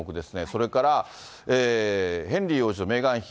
それから、ヘンリー王子とメーガン妃。